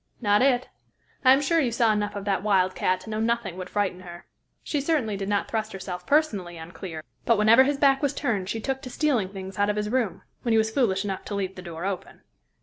"Not it. I am sure you saw enough of that wildcat to know nothing would frighten her. She certainly did not thrust herself personally on Clear, but whenever his back was turned she took to stealing things out of his room, when he was foolish enough to leave the door open.